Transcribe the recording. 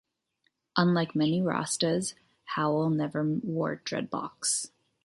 Unlike many Rastas, Howell never wore dreadlocks.